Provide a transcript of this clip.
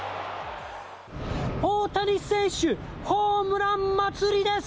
大谷選手、ホームラン祭りです。